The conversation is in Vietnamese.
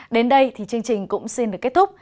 đến đây thì chương trình cũng xin được kết thúc